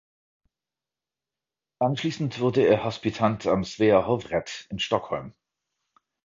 Anschließend wurde er Hospitant am Svea hovrätt in Stockholm.